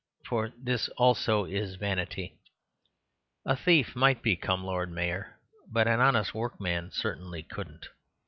for this also is vanity. A thief might become Lord Mayor, but an honest workman certainly couldn't.